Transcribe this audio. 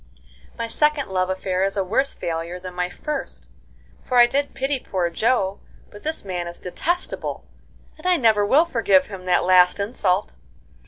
"My second love affair is a worse failure than my first, for I did pity poor Joe, but this man is detestable, and I never will forgive him that last insult.